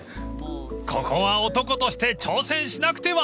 ［ここは男として挑戦しなくては］